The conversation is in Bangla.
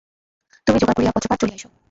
তুমি যোগাড় করিয়া পত্রপাঠ চলিয়া আইস।